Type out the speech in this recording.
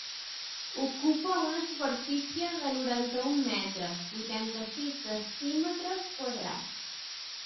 Ocupa una superfície de noranta-un metres, vuitanta-sis decímetres quadrats.